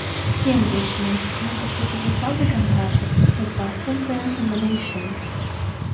He envisioned a competitive Republican Party with vast influence in the nation.